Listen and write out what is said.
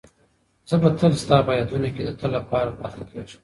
زه به تل ستا په یادونو کې د تل لپاره پاتې کېږم.